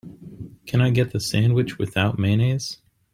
Can I get the sandwich without mayonnaise?